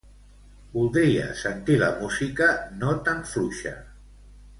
Voldria sentir la música no tan fluixa.